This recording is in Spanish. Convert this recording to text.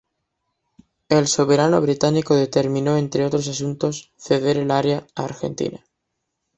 El soberano británico determinó, entre otros asuntos, ceder el área a Argentina.